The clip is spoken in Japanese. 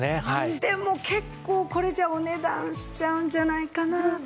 でも結構これじゃお値段しちゃうんじゃないかなと。